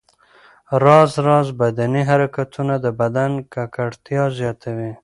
راز راز بدني حرکتونه د بدن تکړتیا زیاتوي.